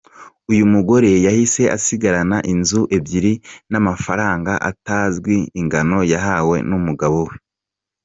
Uyu mugore yahise asigarana inzu ebyiri n’amafaranga atazwi ingano yahawe n’umugabo we.